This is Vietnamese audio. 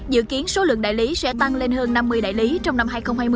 dự kiến số lượng đại lý sẽ tăng lên hơn năm mươi đại lý trong năm hai nghìn hai mươi